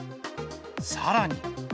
さらに。